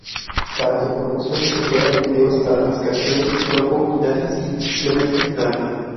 Para su promoción se crearon videos para las canciones "Loco" y "Nadie Simplemente Nadie".